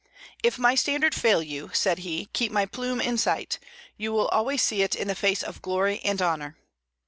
"If my standard fail you," said he, "keep my plume in sight: you will always see it in the face of glory and honor."